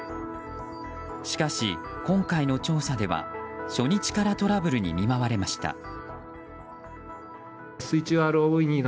しかし、今回の調査では初日からトラブルに見舞われました。